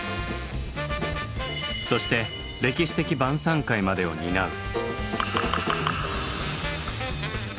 そして歴史的晩餐会までを担う。